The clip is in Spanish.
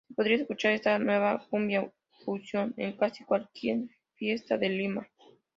Se podía escuchar esta nueva cumbia fusión en casi cualquier fiesta en Lima.